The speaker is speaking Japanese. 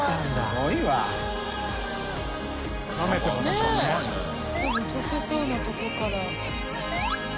多分溶けそうなとこから。